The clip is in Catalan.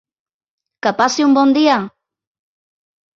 Que passi un bon dia!